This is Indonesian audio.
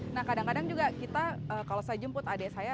nah kadang kadang juga kita kalau saya jemput adik saya